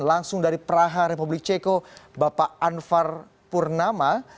langsung dari praha republik ceko bapak anwar purnama